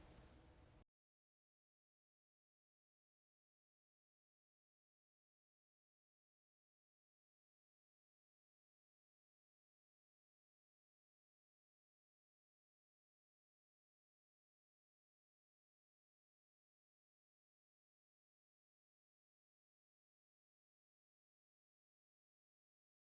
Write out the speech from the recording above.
ผมเห็นเนี่ยตอนต้นคลิปอ่ะ